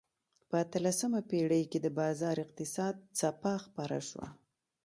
په اتلسمه پېړۍ کې د بازار اقتصاد څپه خپره شوه.